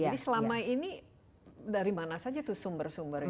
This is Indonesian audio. jadi selama ini dari mana saja tuh sumber sumber ini